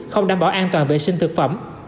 không đảm bảo an toàn vệ sinh thực phẩm